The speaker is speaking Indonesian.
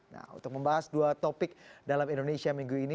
nah untuk membahas dua topik dalam indonesia minggu ini